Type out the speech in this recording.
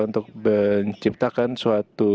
untuk menciptakan suatu